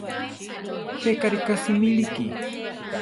Jéka riká simíliki.